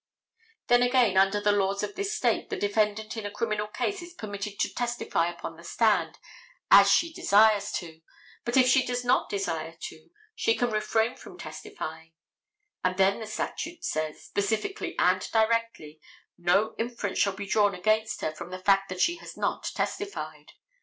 Then again, under the laws of this State, the defendant in a criminal case is permitted to testify upon the stand as she desires to, but if she does not desire to she can refrain from testifying, and then the statute says, specifically and directly, no inference shall be drawn against her from the fact that she has not testified.